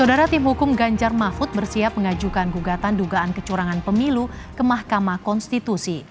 saudara tim hukum ganjar mahfud bersiap mengajukan gugatan dugaan kecurangan pemilu ke mahkamah konstitusi